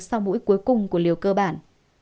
sau mũi cuối cùng của liều cơ bản